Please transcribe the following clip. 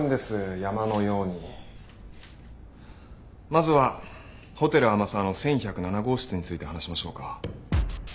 まずはホテル天沢の１１０７号室について話しましょうか。